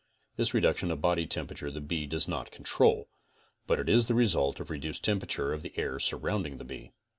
* This reduction of body temper ature the bee does not control, but it is the result of reduced temperature of the air surrounding the bee.